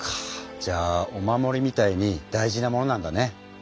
じゃあお守りみたいに大事なものなんだね。